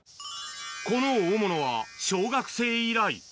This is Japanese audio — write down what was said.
この大物は、小学生以来。